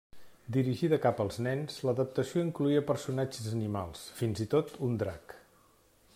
Dirigida cap als nens, l'adaptació incloïa personatges animals, fins i tot un drac.